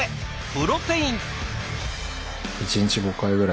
プロテイン。